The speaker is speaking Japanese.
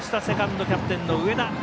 セカンド、キャプテンの上田。